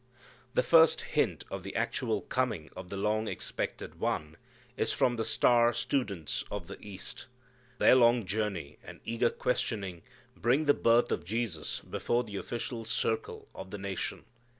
The first hint of the actual coming of the long expected One is from the star students of the east. Their long journey and eager questioning bring the birth of Jesus before the official circle of the nation.